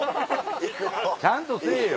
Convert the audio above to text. ちゃんとせぇよ。